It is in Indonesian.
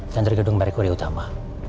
tender gedung merkuri utama